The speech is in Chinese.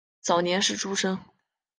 早年是诸生。